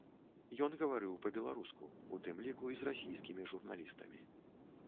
Ён гаварыў па-беларуску, у тым ліку і з расійскімі журналістамі.